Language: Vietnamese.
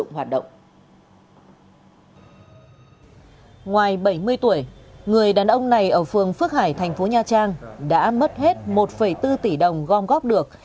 ngoài bảy mươi tuổi người đàn ông này ở phường phước hải thành phố nha trang đã mất hết một bốn tỷ đồng gom góp được